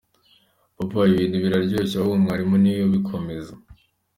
Papa, ibintu biroroshye ahubwo mwarimu ni we ubikomeza.